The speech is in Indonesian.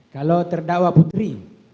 kalau terdakwa putri